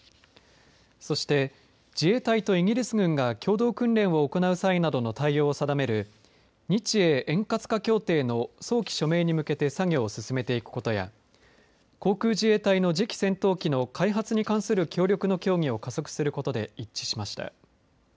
そして自衛隊とイギリス軍が共同訓練を行う際などの対応を定める日英円滑化協定の早期署名に向けて作業を進めていくことや航空自衛隊の次期戦闘機の開発に関する協力の協議を加速することで一致しました。